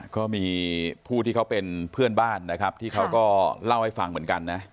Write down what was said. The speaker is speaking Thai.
ก็มีผู้ที่เขาเป็นเพื่อนบ้านนะครับที่เขาก็เล่าให้ฟังเหมือนกันนะ